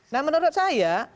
nah menurut saya